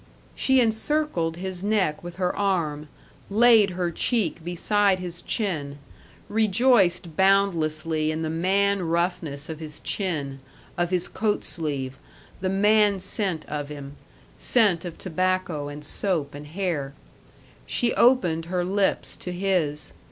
She encircled his neck with her arm, laid her cheek beside his chin, rejoiced boundlessly in the man roughness of his chin, of his coat sleeve, the man scent of him scent of tobacco and soap and hair. She opened her lips to his.